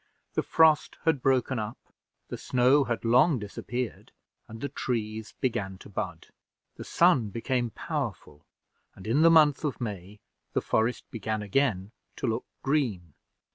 The frost had broken up, the snow had long disappeared, and the trees began to bud. The sun became powerful, and in the month of May the forest began again to look green.